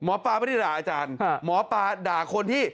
หมอปลาไม่ได้ด่าอาจารย์หมอปลาด่าคนที่